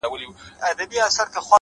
• په اساس کي بس همدغه شراکت دئ,